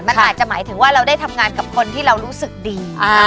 มันอาจจะหมายถึงว่าเราได้ทำงานกับคนที่เรารู้สึกดี